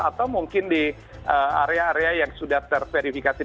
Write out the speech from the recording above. atau mungkin di area area yang sudah terverifikasi